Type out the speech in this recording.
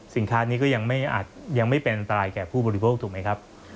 สินค้านี้ก็ยังไม่อาจยังไม่เป็นอันตรายแก่ผู้บริโภคถูกไหมครับ